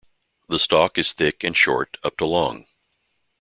The stalk is thick and short, up to long.